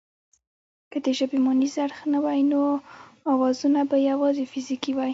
که د ژبې مانیز اړخ نه وای نو اوازونه به یواځې فزیکي وای